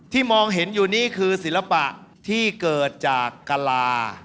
มองเห็นอยู่นี่คือศิลปะที่เกิดจากกลา